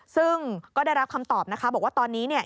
ซึ่งก็ได้รับคำตอบนะคะบอกว่าตอนนี้